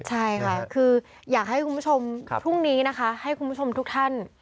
ใช่ค่ะคืออยากให้คุณผู้ชมพรุ่งนี้นะคะให้คุณผู้ชมทุกท่าน